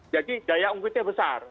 jadi daya unggitnya besar